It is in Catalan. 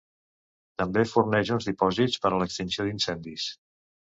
També forneix uns dipòsits per a l'extinció d'incendis.